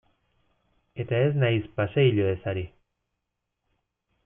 Eta ez naiz paseilloez ari.